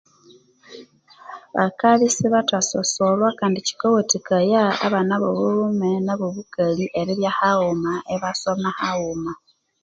Bakabya isibathasosolhwa kandi kyikawathikaya abana abo obulhume na abobukali eribya haghuma, ibasoma haghuma.